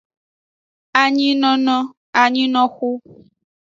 Anyinono, anyinoxu.